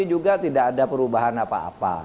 juga tidak ada perubahan apa apa